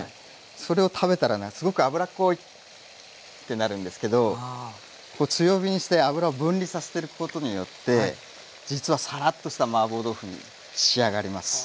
それを食べたらすごく油っこいってなるんですけどこう強火にして油を分離させてることによって実はサラッとしたマーボー豆腐に仕上がります。